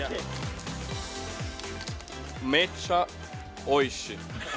めっちゃおいしい。